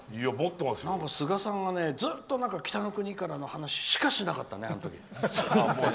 スガさんは、ずっと「北の国から」の話しかしなかったね、あの時。